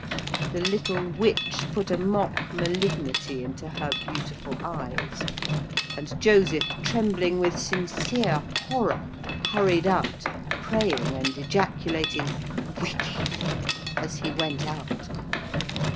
The little witch put a mock malignity into her beautiful eyes, and Joseph, trembling with sincere horror, hurried out, praying, and ejaculating "wicked" as he went.